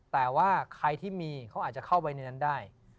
แต่ว่าใครที่มีเขาอาจจะเข้าไปในนั้นได้